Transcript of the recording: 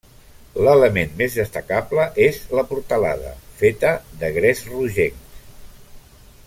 L'element més destacable és la portalada, feta de gres rogenc.